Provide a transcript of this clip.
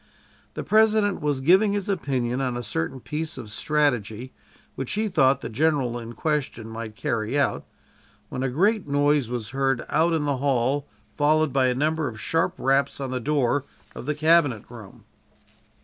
The President was giving his opinion on a certain piece of strategy which he thought the general in question might carry out when a great noise was heard out in the hall, followed by a number of sharp raps on the door of the cabinet room.